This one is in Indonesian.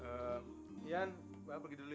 ehm ian mbak aku pergi dulu ya